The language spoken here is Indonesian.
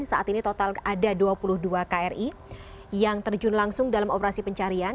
saat ini total ada dua puluh dua kri yang terjun langsung dalam operasi pencarian